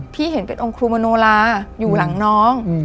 เห็นเป็นองค์ครูมโนลาอยู่หลังน้อง